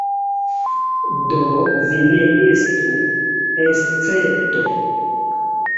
Do, vi ne estu escepto.